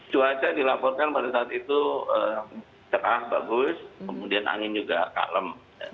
cuaca dilaporkan pada saat itu cerah bagus kemudian angin juga kalem